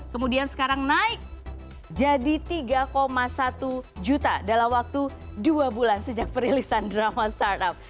kemudian sekarang naik jadi tiga satu juta dalam waktu dua bulan sejak perilisan drama startup